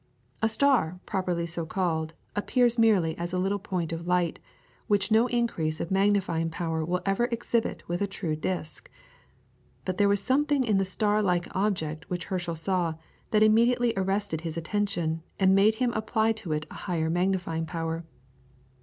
A star properly so called appears merely as a little point of light, which no increase of magnifying power will ever exhibit with a true disc. But there was something in the star like object which Herschel saw that immediately arrested his attention and made him apply to it a higher magnifying power.